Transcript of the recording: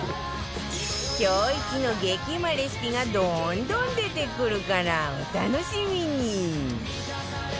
今日イチの激うまレシピがどんどん出てくるからお楽しみに！